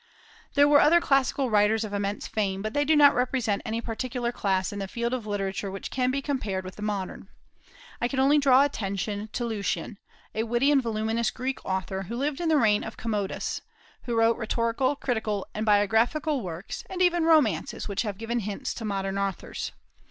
There were other classical writers of immense fame, but they do not represent any particular class in the field of literature which can be compared with the modern. I can only draw attention to Lucian, a witty and voluminous Greek author, who lived in the reign of Commodus, and who wrote rhetorical, critical, and biographical works, and even romances which have given hints to modern authors.